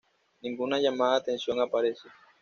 Ninguna llamada de atención aparece